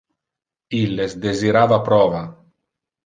Illes desirava prova.